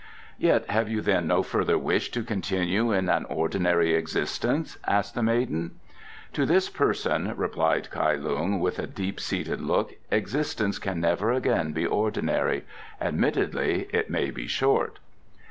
"Yet have you then no further wish to continue in an ordinary existence?" asked the maiden. "To this person," replied Kai Lung, with a deep seated look, "existence can never again be ordinary. Admittedly it may be short."